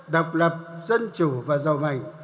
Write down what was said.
độc lập dân chủ và giàu mạnh